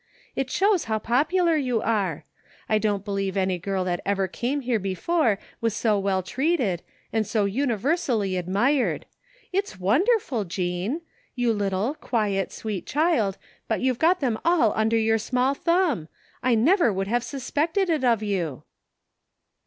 It shows how popular you are! I don't believe any girl that ever came here before was so well treated, and so 14 209 THE FINDING OF JASPER HOLT universally admired. It's wcwiderf ul, Jean. You little, quiet, sweet child, but you've got them all under your small thumb! I never would have suspected it of you."